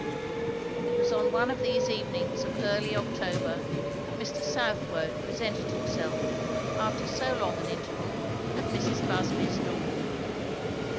It was on one of these evenings of early October, that Mr. Southwode presented himself, after so long an interval, at Mrs. Busby's door.